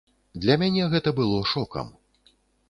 Для мяне гэта было шокам.